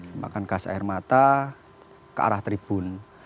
memakan gas air mata ke arah tribun